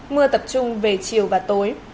mưa tập trung về chiều và tối